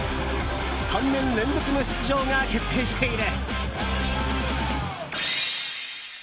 ３年連続の出場が決定している。